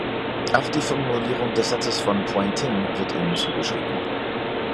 Auch die Formulierung des Satzes von Poynting wird ihm zugeschrieben.